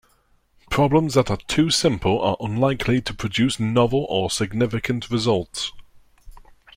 Problems that are too simple are unlikely to produce novel or significant results.